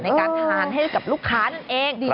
ในการทานให้กับลูกค้านั่นเอง